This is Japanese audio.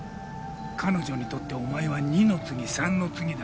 彼女にとってお前は二の次三の次だ。